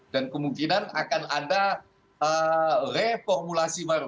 dan kemungkinan akan ada reformulasi baru